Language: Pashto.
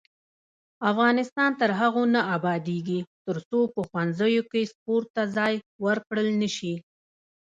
افغانستان تر هغو نه ابادیږي، ترڅو په ښوونځیو کې سپورت ته ځای ورکړل نشي.